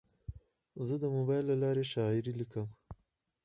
زه د موبایل له لارې شاعري لیکم.